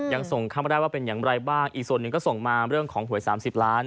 ยังส่งเข้ามาได้ว่าเป็นอย่างไรบ้างอีกส่วนหนึ่งก็ส่งมาเรื่องของหวย๓๐ล้าน